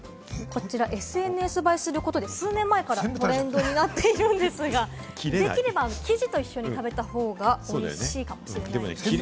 ＳＮＳ映えすることで数年前からトレンドになっているんですが、できれば生地と一緒に食べた方がおいしいかもしれないです。